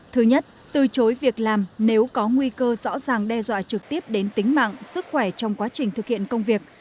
thứ nhất từ chối việc làm nếu có nguy cơ rõ ràng đe dọa trực tiếp đến tính mạng sức khỏe trong quá trình thực hiện công việc